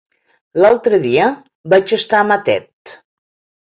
L'altre dia vaig estar a Matet.